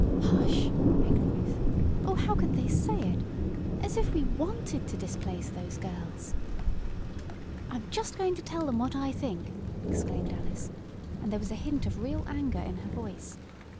"Hush!" begged Ruth. "Oh, how could they say it as if we wanted to displace those girls." "I'm just going to tell them what I think!" exclaimed Alice, and there was a hint of real anger in her voice.